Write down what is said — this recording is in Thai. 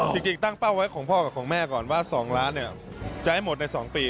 จริงตั้งเป้าไว้ของพ่อกับของแม่ก่อนว่า๒ล้านจะให้หมดใน๒ปี